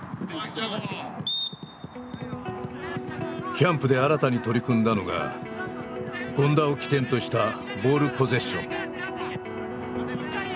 キャンプで新たに取り組んだのが権田を起点としたボールポゼッション。